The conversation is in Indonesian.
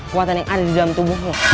kekuatan yang ada di dalam tubuhnya